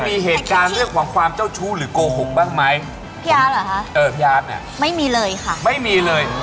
เพราะครั้งที่เค้าคุยเสร็จเนี่ย